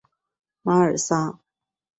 马尔萨。